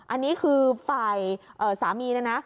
อันนี้คือฝ่ายสามีเนี่ยนะ